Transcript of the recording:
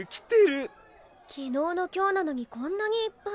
昨日の今日なのにこんなにいっぱい。